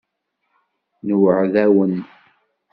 Nweεεed-awen.